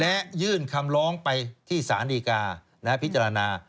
และยื่นคำร้องไปที่สารดีกาพิจารณา